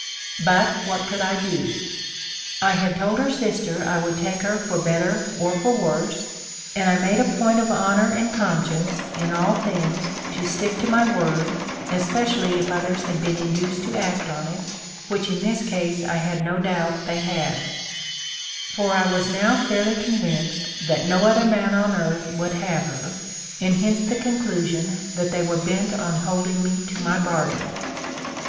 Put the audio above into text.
But what could I do ? I had told her sister I would take her for better or for worse ; and I made a point of honor and conscience in all things to stick to my word, especially if others had been induced to act on it, which in this case I had no doubt they had ; for I was now fairly convinced that no other man on earth would have her, and hence the conclusion that they were bent on hold ing me to my .bargain.